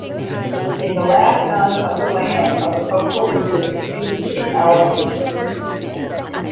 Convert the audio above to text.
In the last none of the land of the coastal region exceeds in elevation.